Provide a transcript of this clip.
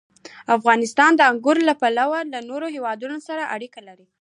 افغانستان د انګور له پلوه له نورو هېوادونو سره اړیکې لري.